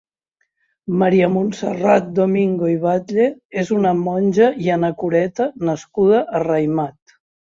Maria Montserrat Domingo i Batlle és una monja i anacoreta nascuda a Raimat.